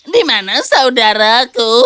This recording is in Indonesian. di mana saudaraku